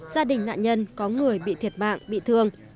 gia đình nạn nhân có người bị thiệt mạng bị thương